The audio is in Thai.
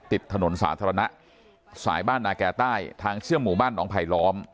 ติดถนนสาธารณะสายบ้านนาแก่ใต้ทางเชื่อมหมู่บ้านหนองไผลล้อม